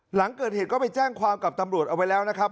หลังเกิดเหตุก็ไปแจ้งความกับตำรวจเอาไว้แล้วนะครับ